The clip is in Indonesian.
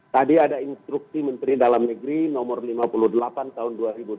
tadi ada instruksi menteri dalam negeri nomor lima puluh delapan tahun dua ribu dua puluh